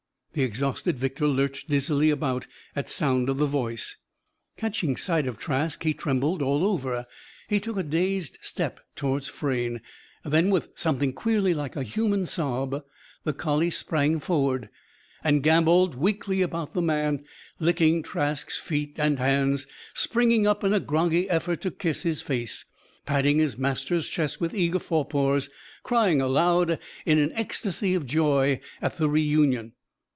The exhausted victor lurched dizzily about, at sound of the voice. Catching sight of Trask, he trembled all over. He took a dazed step towards Frayne. Then, with something queerly like a human sob, the collie sprang forward; and gambolled weakly about the man; licking Trask's feet and hands; springing up in a groggy effort to kiss his face; patting his master's chest with eager forepaws; crying aloud in an ecstasy of joy at the reunion.